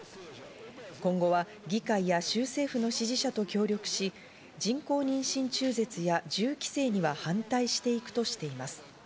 今後は議会や州政府の支持者と協力し、人工妊娠中絶や銃規制には反対していくとしています。